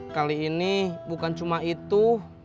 kali ini bukan cuma itu